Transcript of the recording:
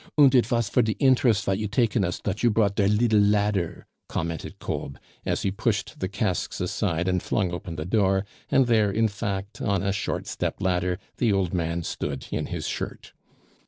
"Und it was for de inderest vot you take in us dot you brought der liddle ladder!" commented Kolb, as he pushed the casks aside and flung open the door; and there, in fact, on a short step ladder, the old man stood in his shirt.